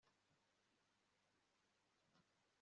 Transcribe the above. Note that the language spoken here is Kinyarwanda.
yabanaga mu nzu isanzwe y'abayapani